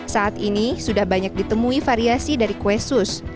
saat ini sudah banyak ditemui variasi dari kue sus